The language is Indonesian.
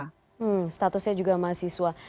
hmm statusnya juga mahasiswa